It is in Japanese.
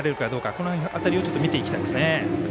この辺りを見ていきたいですね。